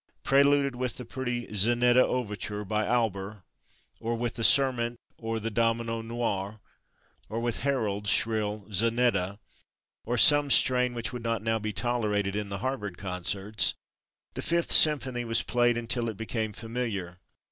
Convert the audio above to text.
Preluded with the pretty "Zannetta" overture by Auber, or with the "Serment" or the "Domino Noir," or with Herold's shrill "Zanetta," or some strain which would not now be tolerated in the Harvard concerts, the Fifth Symphony was played until it became familiar.